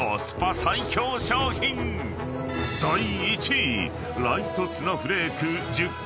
［第１位］